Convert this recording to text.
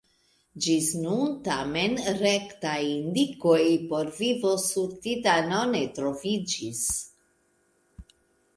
Ĝis nun, tamen, rektaj indikoj por vivo sur Titano ne troviĝis.